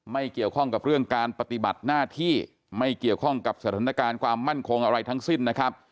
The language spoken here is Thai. ไม่เกี่ยวข้องกับเรื่องการปฏิบัติหน้าที่ไม่เกี่ยวข้องกับสถานการณ์ความมั่นคงอะไรทั้งสิ้นนะครับ